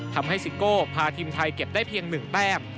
ทำให้สกอร์พาทีมไทยเก็บได้เพียง๑แปบ